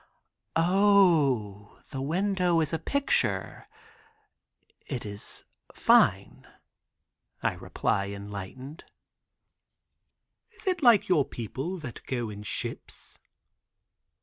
"O, the window is a picture; it is fine," I reply enlightened. "Is it like your people that go in ships?"